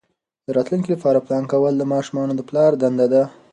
د راتلونکي لپاره پلان کول د ماشومانو د پلار دنده ده.